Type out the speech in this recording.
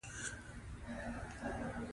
تاریخ د افغانستان د موسم د بدلون سبب کېږي.